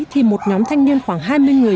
thì một nhóm thanh niên khoảng hai mươi người